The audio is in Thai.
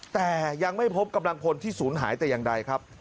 แต่ยังไม่พบกำลังพลที่ศูนย์หายแต่อย่างใดครับ